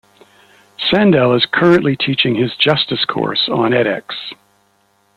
Sandel is currently teaching his Justice course on edX.